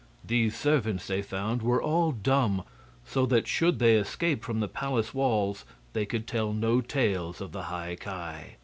These servants, they found, were all dumb, so that should they escape from the palace walls they could tell no tales of the High Ki.